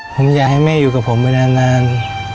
ผมอยากให้แม่อยู่กับผมไปนาน